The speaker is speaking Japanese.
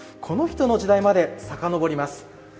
この人の時代までさかのぼります。